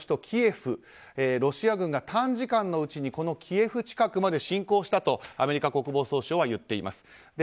キエフロシア軍が短時間のうちにこのキエフ近くまで侵攻したとアメリカ国防総省は言っています。